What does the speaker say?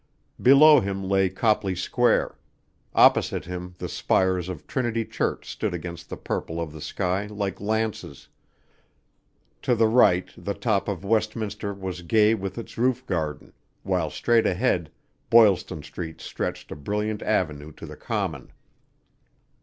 Below him lay Copley Square; opposite him the spires of Trinity Church stood against the purple of the sky like lances; to the right the top of Westminster was gay with its roof garden, while straight ahead Boylston street stretched a brilliant avenue to the Common.